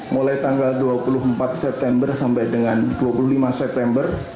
mulai tanggal dua puluh empat september sampai dengan dua puluh lima september